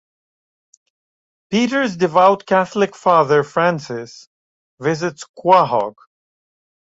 Peter's devout Catholic father, Francis, visits Quahog.